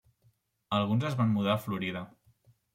Alguns es van mudar a Florida.